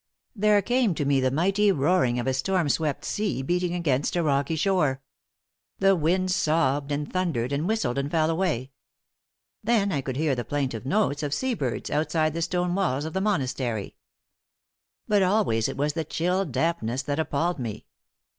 There came to me the mighty roaring of a storm swept sea beating against a rocky shore. The winds sobbed and thundered and whistled and fell away. Then I could hear the plaintive notes of sea birds outside the stone walls of the monastery. But always it was the chill dampness that appalled me.